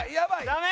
ダメ？